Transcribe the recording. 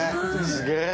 すげえ！